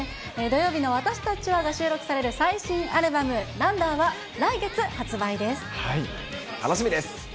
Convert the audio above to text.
土曜日のわたしたちはが収録される最新アルバム、ランダーは、楽しみです。